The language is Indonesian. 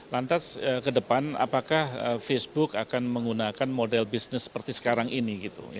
lantas ke depan apakah facebook akan menggunakan model bisnis seperti sekarang ini